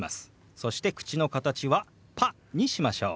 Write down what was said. そして口の形は「パ」にしましょう。